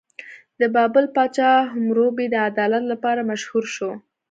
د بابل پاچا حموربي د عدالت لپاره مشهور شو.